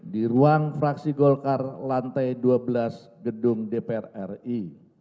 di ruang fraksi golkar lantai dua belas gedung dpr ri